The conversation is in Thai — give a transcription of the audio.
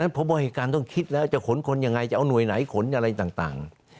พบเหตุการณ์ต้องคิดแล้วจะขนคนยังไงจะเอาหน่วยไหนขนอะไรต่าง